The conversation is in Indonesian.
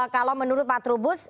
kalau menurut pak trubus